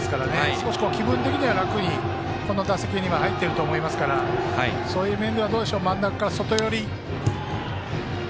少し気分的には楽にこの打席には入っていると思いますからそういう面では真ん中から外寄り。